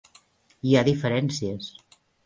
Hi ha diferències.